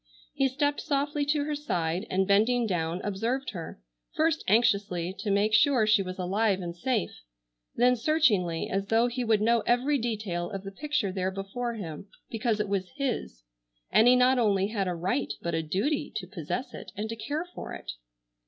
He stepped softly to her side and bending down observed her, first anxiously, to make sure she was alive and safe, then searchingly, as though he would know every detail of the picture there before him because it was his, and he not only had a right but a duty to possess it, and to care for it.